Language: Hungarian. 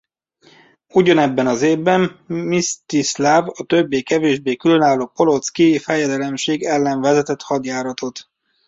Ugyanebben az évben Msztyiszláv a többé-kevésbé különálló Polocki fejedelemség ellen vezetett hadjáratot.